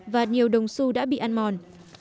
và nhiều đồng su đã bị ăn mòn